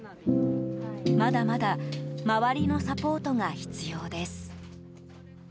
まだまだ周りのサポートが必要です。